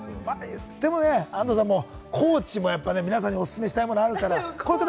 でもね安藤さん、高知も皆さん、おすすめしたいものあるから。